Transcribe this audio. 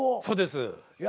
そうです。